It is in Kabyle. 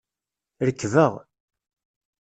Rekbeɣ.